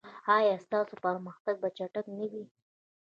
ایا ستاسو پرمختګ به چټک نه وي؟